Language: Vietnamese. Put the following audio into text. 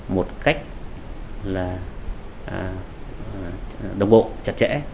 một cách là đồng bộ chặt chẽ